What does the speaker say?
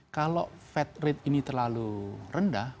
kalau fat rate ini terlalu rendah